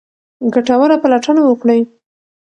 ګټوره پلټنه وکړئ.